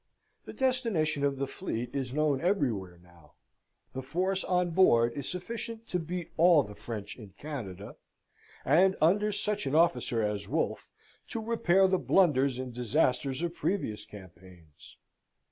The destination of the fleet is known everywhere now. The force on board is sufficient to beat all the French in Canada; and, under such an officer as Wolfe, to repair the blunders and disasters of previous campaigns.